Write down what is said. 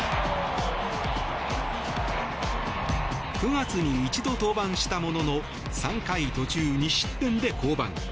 ９月に一度登板したものの３回途中２失点で降板。